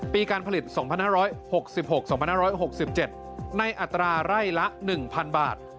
การผลิต๒๕๖๖๒๕๖๗ในอัตราไร่ละ๑๐๐๐บาท